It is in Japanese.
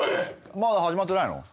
まだ始まってないの？